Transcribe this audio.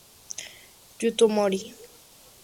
Yuto Mori